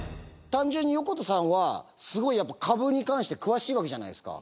単純に横田さんはすごいやっぱ株に関して詳しいわけじゃないですか。